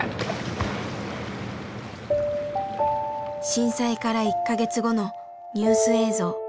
震災から１か月後のニュース映像。